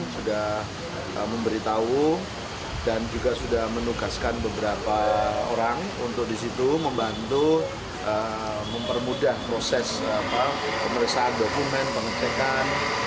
sudah memberitahu dan juga sudah menugaskan beberapa orang untuk disitu membantu mempermudah proses pemeriksaan dokumen pengecekan